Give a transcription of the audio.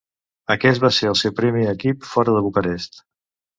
Aquest va ser el seu primer equip fora de Bucarest.